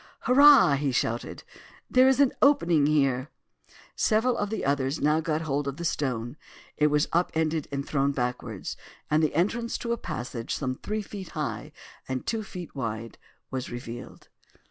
"Hurrah!" he shouted, "there is an opening here." Several of the others now got hold of the stone. It was up ended and thrown backwards, and the entrance to a passage some three feet high and two feet wide was revealed.